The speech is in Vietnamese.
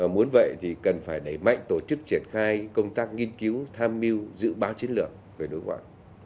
muốn vậy thì cần phải đẩy mạnh tổ chức triển khai công tác nghiên cứu tham mưu dự báo chiến lược về đối ngoại